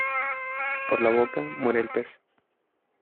Por la boca muere el pez.